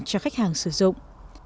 cho khách hàng sử dụng